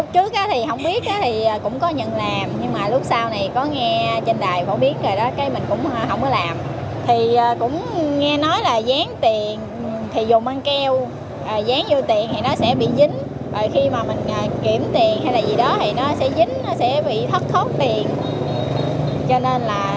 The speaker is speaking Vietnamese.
cho nên là không có làm nữa